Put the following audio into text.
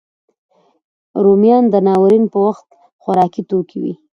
رومیان د ناورین پر وخت خوارکي توکی وي